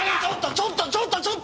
ちょっとちょっとちょっと！